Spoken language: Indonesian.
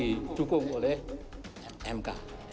di dukung oleh mk